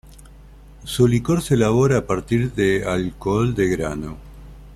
Su licor se elabora a partir de alcohol de grano.